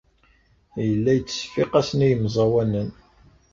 Yella yettseffiq-asen i yemẓawanen.